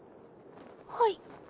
はい。